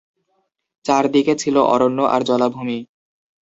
চারদিকে ছিলো অরণ্য আর জলাভূমি।